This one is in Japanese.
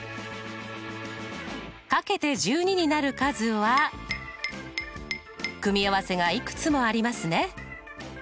掛けて１２になる数は組み合わせがいくつもありますね。